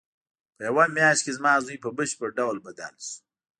په یوه میاشت کې زما زوی په بشپړ ډول بدل شو